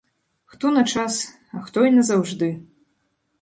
Хто на час, а хто і назаўжды.